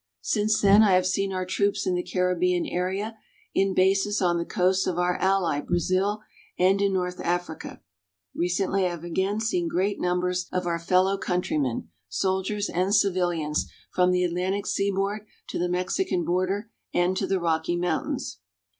Since then, I have seen our troops in the Caribbean area, in bases on the coasts of our ally, Brazil, and in North Africa. Recently I have again seen great numbers of our fellow countrymen soldiers and civilians from the Atlantic Seaboard to the Mexican border and to the Rocky Mountains.